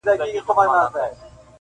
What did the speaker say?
جهاني زما چي په یادیږي دا جنت وطن وو-